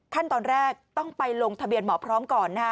ขั้นตอนแรกต้องไปลงทะเบียนหมอพร้อมก่อนนะฮะ